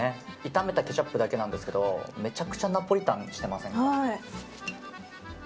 炒めたケチャップだけですけどめちゃくちゃナポリタンしてません？